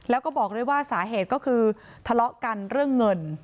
แล้วก็บอกด้วยว่าสาเหตุก็คือทะเลาะกันเรื่องเงิน